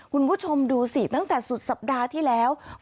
คุณผู้ชมดูสิตั้งแต่สุดสัปดาห์ที่แล้ว